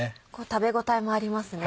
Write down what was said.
食べ応えもありますね。